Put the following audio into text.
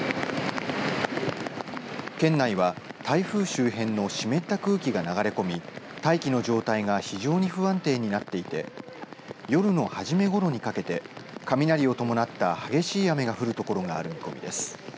県内は台風周辺の湿った空気が流れ込み大気の状態が非常に不安定になっていて夜の初めごろにかけて雷を伴った激しい雨が降るところがある見込みです。